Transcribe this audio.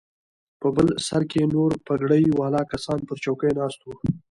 په بل سر کښې نور پګړۍ والا کسان پر چوکيو ناست وو.